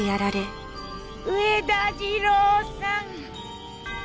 上田次郎さん。